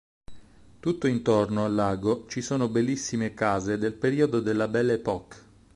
Tutto intorno al lago ci sono bellissime case del periodo della Belle Époque.